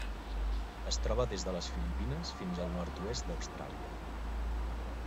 Es troba des de les Filipines fins al nord-oest d'Austràlia.